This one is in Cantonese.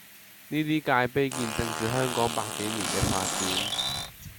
呢啲界碑見證住香港百幾年嘅發展